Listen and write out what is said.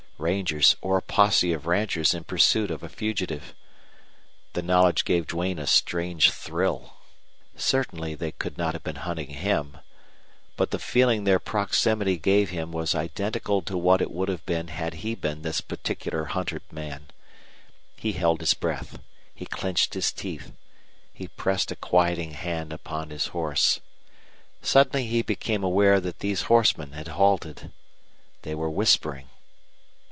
Rangers or a posse of ranchers in pursuit of a fugitive! The knowledge gave Duane a strange thrill. Certainly they could not have been hunting him. But the feeling their proximity gave him was identical to what it would have been had he been this particular hunted man. He held his breath; he clenched his teeth; he pressed a quieting hand upon his horse. Suddenly he became aware that these horsemen had halted. They were whispering.